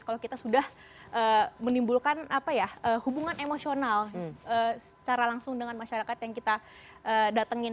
kalau kita sudah menimbulkan hubungan emosional secara langsung dengan masyarakat yang kita datengin